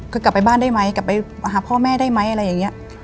คือกลับไปบ้านได้ไหมกลับไปหาพ่อแม่ได้ไหมอะไรอย่างนี้